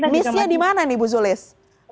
missnya di mana nih bu zulis